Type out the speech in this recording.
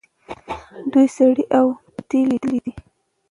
دوی سړې او تودې لیدلي دي.